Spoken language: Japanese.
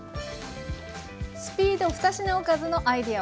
「スピード２品おかず」のアイデア